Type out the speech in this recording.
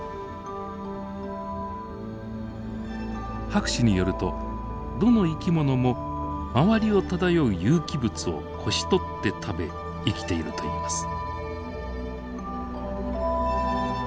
博士によるとどの生き物も周りを漂う有機物をこしとって食べ生きているといいます。